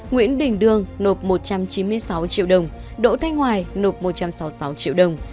nguyễn đình đương nộp một trăm chín mươi sáu triệu đồng đỗ thanh hoài nộp một trăm sáu mươi sáu triệu đồng